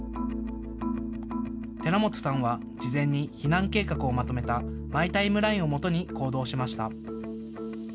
寺本さんは事前に避難計画をまとめたマイ・タイムラインをもとに行動しました。